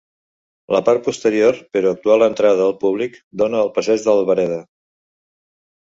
La part posterior, però actual entrada al públic, dóna al passeig de l'Albereda.